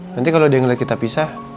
nanti kalau dia ngeliat kita pindahinnya